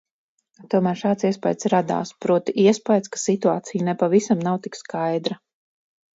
Tomēr šāds iespaids radās, proti, iespaids, ka situācija nepavisam nav tik skaidra.